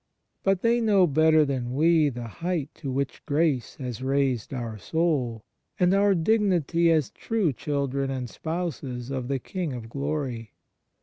But they know better than we the height to which grace has raised our soul, and our dignity as true children and spouses of the King of Glory.